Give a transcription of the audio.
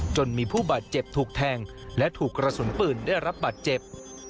จนมีผู้บาดเจ็บถูกแทงและถูกกระสุนปืนได้รับบาดเจ็บ